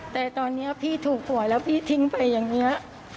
แต่ตอนนี้พี่ถูกหวยแล้วพี่ทิ้งไปอย่างนี้